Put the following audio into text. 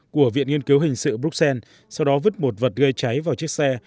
của viện nghiên cứu hình sự bruxelles sau đó vứt một vật gây cháy vào chiếc xe